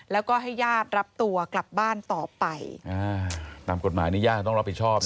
แล้วก็ให้ญาติรับตัวกลับบ้านต่อไปอ่าตามกฎหมายนี่ญาติต้องรับผิดชอบนะ